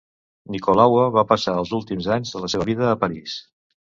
Nicolaua va passar els últims anys de la seva vida a París.